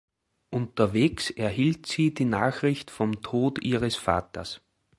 Unterwegs erhielt sie die Nachricht vom Tod ihres Vaters.